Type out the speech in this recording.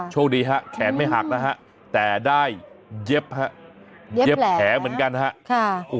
ช่วงดีครับแขนไม่หักนะครับแต่ได้เย็บแผลเหมือนกันครับ